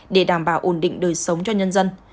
để đảm bảo ổn định đời sống cho nhân dân